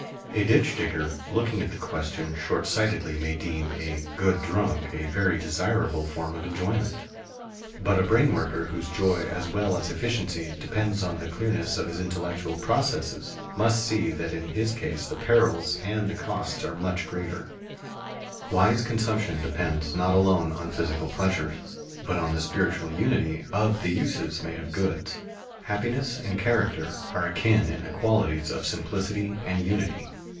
A ditch digger, looking at the question short sightedly, may deem "a good drunk" a very desirable form of enjoyment. But a brain worker, whose joy as well as efficiency depends on the clearness of his intellectual processes, must see that in his case the perils and the costs are much greater. [Sidenote: Unity of choice in happiness and in character] Wise consumption depends not alone on physical pleasures, but on the spiritual unity of the uses made of goods. Happiness and character are akin in the qualities of simplicity and unity.